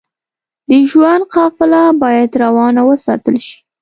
د ژوند قافله بايد روانه وساتل شئ.